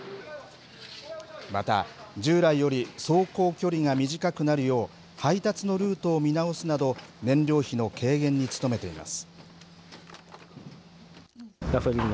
また、従来より走行距離が短くなるよう、配達のルートを見直すなど、燃料費の軽減に努めています。